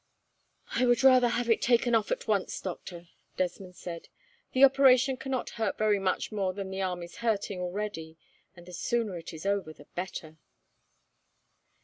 "I would rather have it taken off at once, doctor," Desmond said. "The operation cannot hurt very much more than the arm is hurting already, and the sooner it is over, the better."